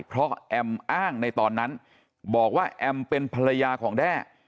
เพราะแอมอ้างในตอนนั้นบอกว่าแอมเป็นภรรยาของแด้